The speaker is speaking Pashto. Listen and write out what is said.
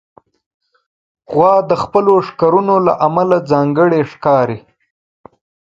غوا د خپلو ښکرونو له امله ځانګړې ښکاري.